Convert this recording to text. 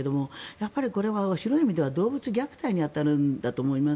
やっぱりこれは広い意味では動物虐待に当たるんだと思います。